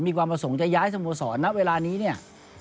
มีความประสงค์จะย้ายสโมสรณเวลานี้เนี่ย